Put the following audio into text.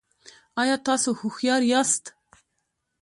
ایا تاسو هوښیار یاست؟